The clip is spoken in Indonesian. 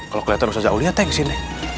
kalau kelihatan usaha zaulinya thanksin